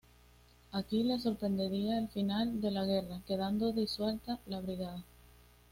Aquí le sorprendería el final de la guerra, quedando disuelta la brigada.